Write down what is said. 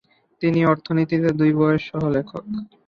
তিনি অর্থনীতিতে দুটি বইয়ের সহ-লেখক।